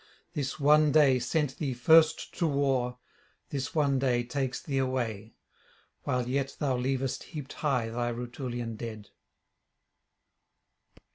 This one day sent thee first to war, this one day takes thee away, while yet thou leavest heaped high thy Rutulian dead.